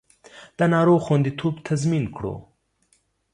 د ناروغ خوندیتوب تضمین کړو